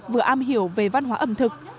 vừa am hiểu về văn hóa ẩm thực